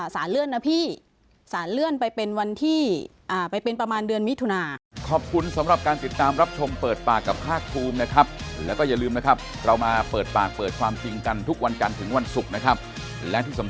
สารเลื่อนนะพี่สารเลื่อนไปเป็นวันที่ไปเป็นประมาณเดือนมิถุนา